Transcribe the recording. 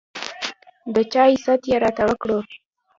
د چاے ست يې راته وکړو